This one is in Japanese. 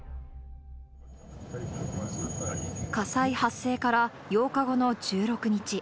火災発生から８日後の１６日。